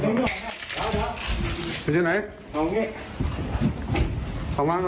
เดี๋ยวใจเย็นใส่กุญแจมือให้กัน